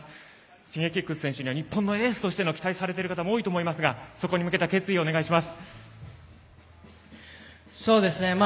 Ｓｈｉｇｅｋｉｘ選手には日本のエースとして期待されている方も多いと思いますがそこに向けた決意をお願いします。